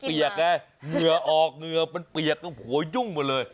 มันเปียกแหละเหนือออกเหนือมันเปียกหัวยุ่งมาเลย